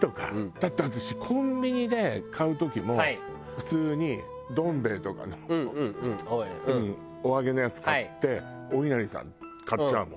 だって私コンビニで買う時も普通にどん兵衛とかのお揚げのやつ買っておいなりさん買っちゃうもん。